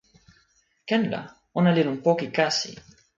ken la, ona li lon poki kasi.